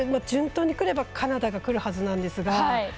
順当にくればカナダがくるはずなんですが。